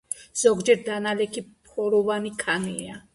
ზოგჯერ დანალექი ფოროვანი ქანია.